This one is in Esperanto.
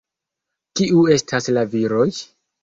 Kiu estas la viroj?